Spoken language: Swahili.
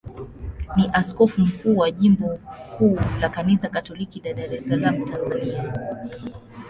ni askofu mkuu wa jimbo kuu la Kanisa Katoliki la Dar es Salaam, Tanzania.